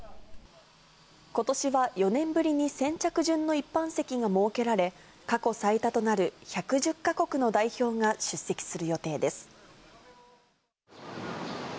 ことしは４年ぶりに先着順の一般席が設けられ、過去最多となる１１０か国の代表が出席する予定です。